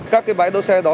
các cái bãi đỗ xe đó